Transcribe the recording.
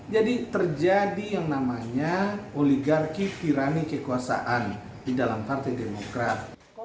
jadi terjadi oligarki pirani kekuasaan di dalam partai demokrat